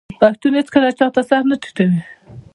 پښتون هیڅکله چا ته سر نه ټیټوي.